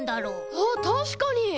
あったしかに！